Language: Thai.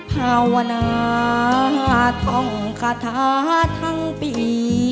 ภาวนาท่องคาถาทั้งปี